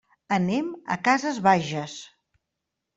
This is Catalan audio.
Anem a Casas Bajas.